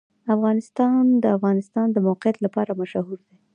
افغانستان د د افغانستان د موقعیت لپاره مشهور دی.